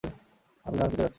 আমি গ্রামে ফিরে যাচ্ছি।